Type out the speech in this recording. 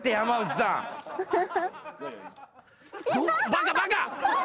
バカバカ！